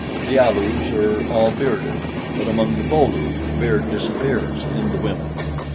The Alus are all bearded, but among the Bo lu the beard disappears in the women.